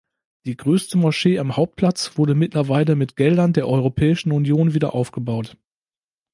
Die größte Moschee am Hauptplatz wurde mittlerweile mit Geldern der Europäischen Union wiederaufgebaut.